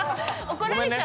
怒られちゃう。